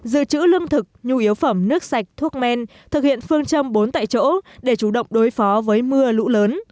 dự trữ lương thực nhu yếu phẩm nước sạch thuốc men thực hiện phương châm bốn tại chỗ để chủ động đối phó với mưa lũ lớn